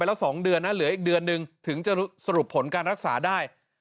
แล้ว๒เดือนนะเหลืออีกเดือนนึงถึงจะสรุปผลการรักษาได้